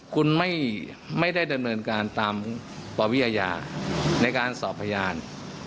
คุณไม่ได้ดำเนินการตามปวิอาญาในการสอบพยาน